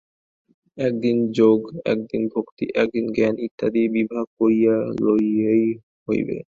একদিন যোগ, একদিন ভক্তি, একদিন জ্ঞান ইত্যাদি বিভাগ করিয়া লইলেই হইবে।